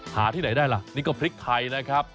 ที่ไหนได้ล่ะนี่ก็พริกไทยนะครับ